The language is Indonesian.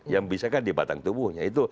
yang bisa kan di batang tubuhnya itu